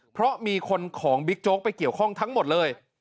เพราะมีคนของบิ๊กโจ๊กไปเกี่ยวข้องทั้งหมดเลย